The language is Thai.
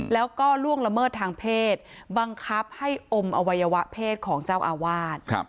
แล้วก็ล่วงละเมิดทางเพศบังคับให้อมอวัยวะเพศของเจ้าอาวาส